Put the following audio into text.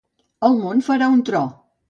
El món farà un tro.